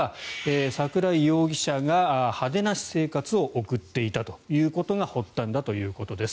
桜井容疑者が派手な私生活を送っていたということが発端だということです。